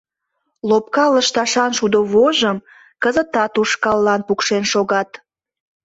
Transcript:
Лопка лышташан шудо вожым кызытат ушкаллан пукшен шогат.